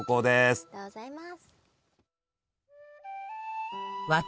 ありがとうございます。